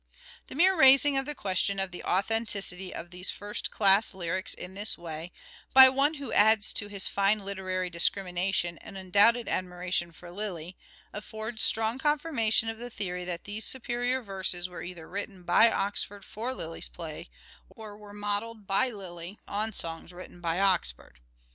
The mere raising of the question of the authenticity of these first class lyrics in this way, by one who adds to his fine literary dis crimination an undoubted admiration for Lyly, affords strong confirmation of the theory that these superior verses were either written by Oxford for Lyly's plays, or were modelled by Lyly on songs written by Oxford.